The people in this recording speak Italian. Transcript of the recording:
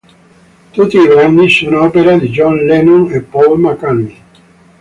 Tutti i brani sono opera di John Lennon e Paul McCartney.